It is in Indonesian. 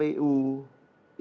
ini tidak perlu kita khawatir